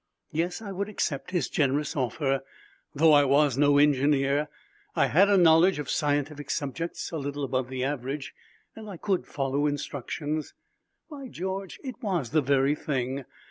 Yes, I would accept his generous offer. Though I was no engineer, I had a knowledge of scientific subjects a little above the average, and I could follow instructions. By George, it was the very thing!